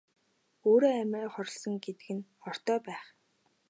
Өөрөө амиа хорлосон гэдэг нь ортой байх.